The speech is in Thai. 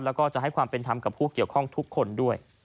แล้วก็จะให้ความเป็นธรรมกับผู้เกี่ยวข้องทุกคนด้วย